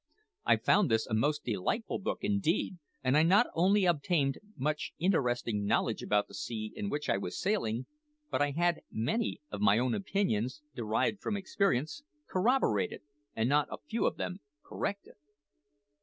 I found this a most delightful book indeed; and I not only obtained much interesting knowledge about the sea in which I was sailing, but I had many of my own opinions, derived from experience, corroborated, and not a few of them corrected.